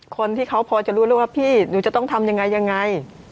คนที่เขาพอจะรู้เรื่องว่าพี่หนูจะต้องทำยังไง